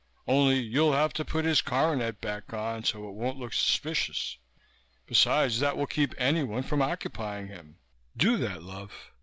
Only you'll have to put his coronet back on, so it won't look suspicious. Besides that will keep anyone from occupying him. Do that, love.